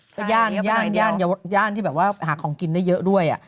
ก็ย่านที่แบบว่าหาของกินได้เยอะด้วย